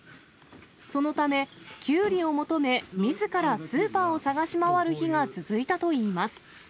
そのため、キュウリを求め、みずからスーパーを探し回る日が続いたといいます。